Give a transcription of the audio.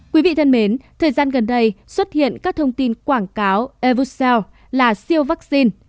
quý vị thân mến thời gian gần đây xuất hiện các thông tin quảng cáo airusel là siêu vaccine